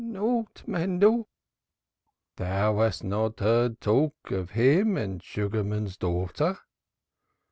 "Naught, Mendel." "Thou hast not heard talk of him and Sugarman's daughter?"